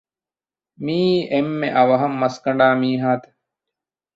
މިއީ އެންމެ އަވަހަށް މަސް ކަނޑާ މީހާތަ؟